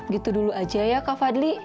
gitu dulu aja ya kak fadli